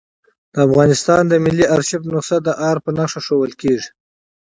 د افغانستان د ملي آرشیف نسخه د آر په نخښه ښوول کېږي.